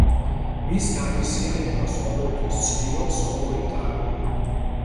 მის გაღიზიანებას ყოველთვის ცდილობს ორი თაგვი.